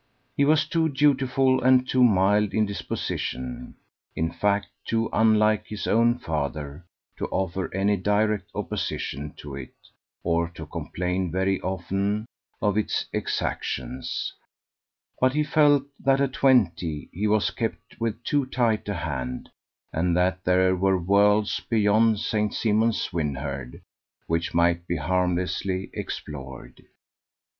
He was too dutiful and too mild in disposition in fact, too unlike his own father to offer any direct opposition to it, or to complain very often of its exactions; but he felt that at twenty he was kept with too tight a hand, and that there were worlds beyond Saint Simon Swynherde, which might be harmlessly explored.